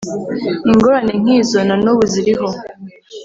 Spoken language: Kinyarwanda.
Ingorane nk’izo na n’ubu ziriho